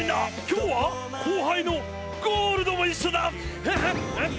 今日は後輩のゴールドも一緒だ。